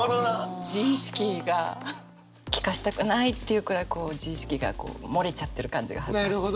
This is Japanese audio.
自意識が聞かせたくないっていうくらい自意識が漏れちゃってる感じが恥ずかしい。